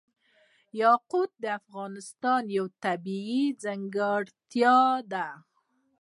یاقوت د افغانستان یوه طبیعي ځانګړتیا ده.